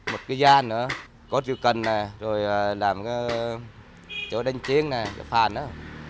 một cái gian nữa cốt rượu cần này rồi làm cái chỗ đánh chiến này cái phàn đó